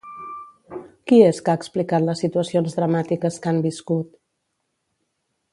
Qui és que ha explicat les situacions dramàtiques que han viscut?